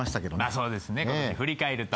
そうですね振り返ると。